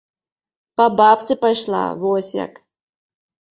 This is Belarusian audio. Па бабцы пайшла, вось як.